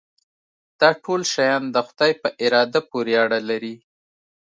دا ټول شیان د خدای په اراده پورې اړه لري.